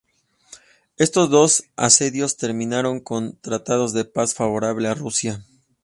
Estos dos asedios terminaron con tratados de paz favorables a Rusia.